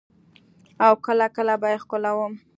او کله کله به يې ښکلولم.